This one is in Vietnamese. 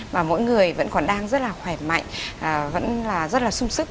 và mỗi người vẫn còn đang rất là khỏe mạnh vẫn là rất là sung sức